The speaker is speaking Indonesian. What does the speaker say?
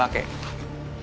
kalau butuh duit